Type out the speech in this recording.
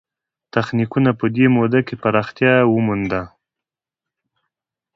تخنیکونو په دې موده کې پراختیا ومونده.